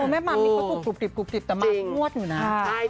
แม่มันก็ปุกหรอ